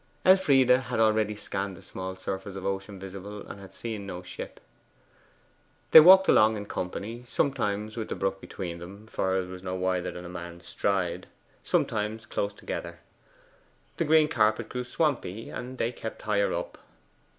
Elfride had already scanned the small surface of ocean visible, and had seen no ship. They walked along in company, sometimes with the brook between them for it was no wider than a man's stride sometimes close together. The green carpet grew swampy, and they kept higher up.